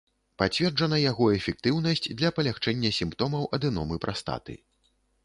Пацверджана яго эфектыўнасць для палягчэння сімптомаў адэномы прастаты.